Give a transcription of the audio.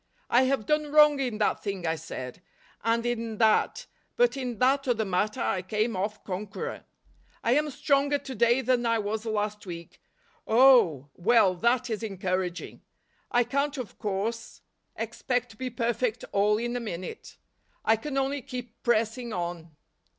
" I have done wrong in that thing," I said, "and in that, but in that other mat¬ ter I came off conqueror. I am stronger to day than I was last week. Oh ! well, that is encouraging; I can't, of course, expect to be perfect all in a minute. I can only keep pressing on."